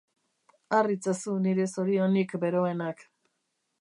Har itzazu nire zorionik beroenak.